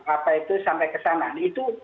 apa itu sampai kesana itu